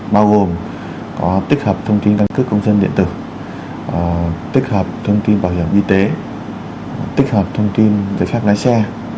bao gồm có tích hợp thông tin căn cước công dân điện tử tích hợp thông tin bảo hiểm y tế tích hợp thông tin giấy phép lái xe